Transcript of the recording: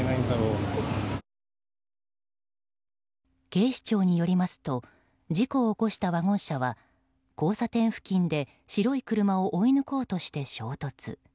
警視庁によりますと事故を起こしたワゴン車は交差点付近で白い車を追い抜こうとして衝突。